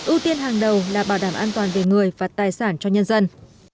ưu tiên hàng đầu là bảo đảm an toàn về người và tài sản cho nhân dân